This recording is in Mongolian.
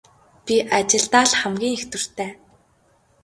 Би ажилдаа л хамгийн их дуртай.